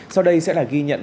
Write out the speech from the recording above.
sau đây sẽ là ghi nhận